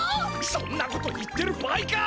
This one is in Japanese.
そんなこと言ってる場合か！